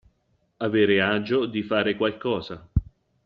Avere agio di fare qualcosa.